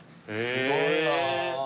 すごいなぁ。